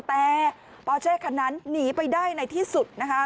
แต่ปอเจ๊คนนั้นหนีไปได้ในที่สุด